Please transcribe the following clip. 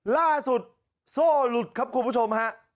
ล่าสุดโซ่หลุดครับคุณผู้ชมฮะ